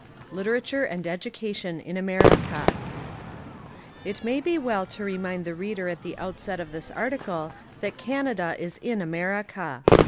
— Literature and Education in America IT may be well to remind the reader at the outset of this article that Canada Is in America.